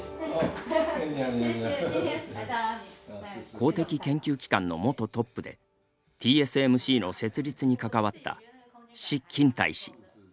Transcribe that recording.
公的研究機関の元トップでＴＳＭＣの設立に関わった史欽泰氏。